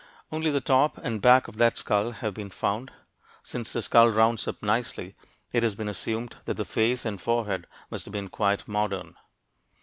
Only the top and back of that skull have been found. Since the skull rounds up nicely, it has been assumed that the face and forehead must have been quite "modern."